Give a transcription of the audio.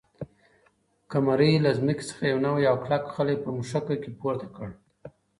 قمرۍ له ځمکې څخه یو نوی او کلک خلی په مښوکه کې پورته کړ.